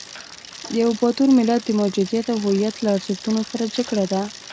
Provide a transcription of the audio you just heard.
د یوه باتور ملت د موجودیت او هویت له ارزښتونو سره جګړه ده.